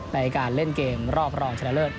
ในการเล่นเกมรอบรองชนะเลิศ